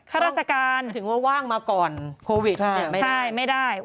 ข้าราชการถึงว่าว่างมาก่อนโควิดใช่ไม่ได้